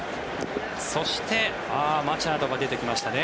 そして、マチャドが出てきましたね。